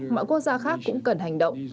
mọi quốc gia khác cũng đã hành động